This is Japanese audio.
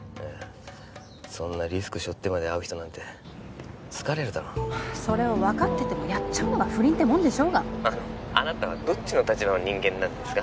そんなリスクしょってまで会う人なんて疲れるだろそれを分かっててもやっちゃうのが不倫ってもんでしょうが☎あのあなたはどっちの立場の人間なんですか？